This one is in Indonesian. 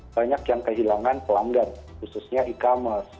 banyak yang kehilangan pelanggan khususnya e commerce